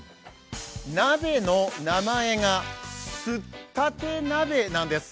鍋の名前がすったて鍋なんです。